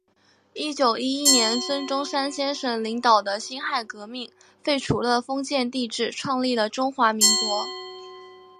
一九一一年孙中山先生领导的辛亥革命，废除了封建帝制，创立了中华民国。